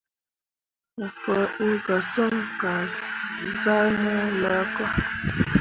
Mo faa ɓu ga sesǝŋ kah zah mu laaka.